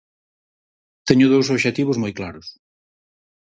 Teño dous obxectivos moi claros.